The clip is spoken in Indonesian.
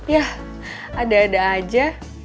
yah ada ada aja